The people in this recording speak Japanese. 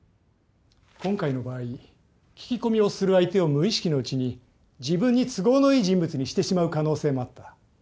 今回の場合聞き込みをする相手を無意識のうちに自分に都合のいい人物にしてしまう可能性もあった。